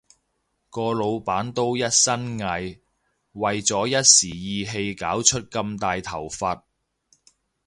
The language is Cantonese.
個老闆都一身蟻，為咗一時意氣搞出咁大頭佛